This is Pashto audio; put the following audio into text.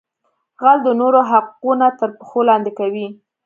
غل د نورو حقونه تر پښو لاندې کوي